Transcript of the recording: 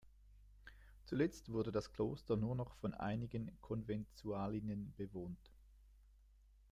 Zuletzt wurde das Kloster nur noch von einigen Konventualinnen bewohnt.